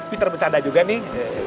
pinter bercanda juga nih